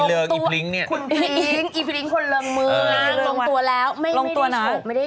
หลังเลยแบบคุณปิ๊ง